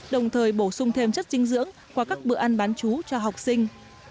đồng thời bổ sung thêm chất dinh dưỡng qua các bữa ăn bán chú cho học sinh